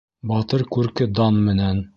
Батыр күрке дан менән.